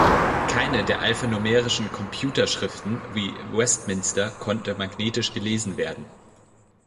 Keine der alphanumerischen 'Computer'-Schriften wie Westminster konnte magnetisch gelesen werden.